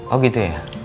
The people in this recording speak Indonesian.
oh gitu ya